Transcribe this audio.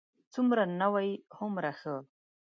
څومره نوی، هومره ښه.